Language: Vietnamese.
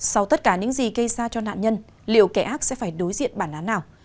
sau tất cả những gì gây ra cho nạn nhân liệu kẻ ác sẽ phải đối diện bản án nào